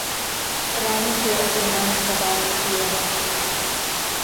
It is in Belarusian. Раніцай атрымаеш кавалак хлеба.